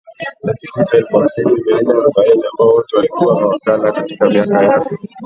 laki sita elfu hamsini mia nne arobaini ambao wote walikuwa mawakala Katika miaka ya